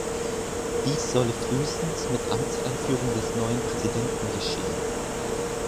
Dies solle frühestens mit Amtseinführung des neuen Präsidenten geschehen.